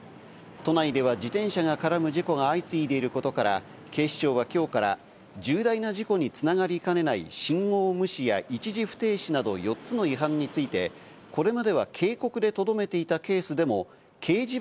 都内では自転車が絡む事故が相次いでいることから、警視庁は今日から重大な事故に繋がりかねない信号無視や一時不停止など４つの違反についてあと１周！